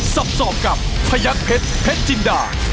สับสอกกับพยักษ์เพชรเพชรจินดา